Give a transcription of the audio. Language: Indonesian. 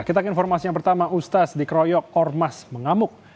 kita ke informasi yang pertama ustaz dikeroyok ormas mengamuk